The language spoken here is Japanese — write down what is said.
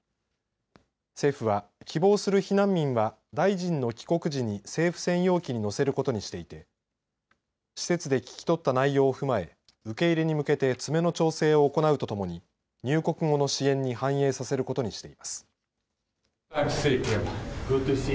政府は希望する避難民は大臣の帰国時に政府専用機に乗せることにしていて施設で聞き取った内容を踏まえ受け入れに向けて詰めの調整を行うとともに入国後の支援に反映させることにしています。